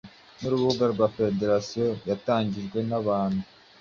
nurubuga rwa Fondasiyo yatangajwe nabantu